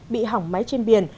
bị hỏng máy trên biển